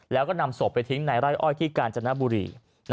แล้วก็นำศพไปทิ้งในไร่อ้อยที่กาญจนบุรี